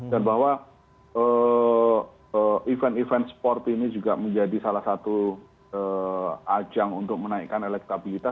dan bahwa event event sport ini juga menjadi salah satu ajang untuk menaikkan elektabilitas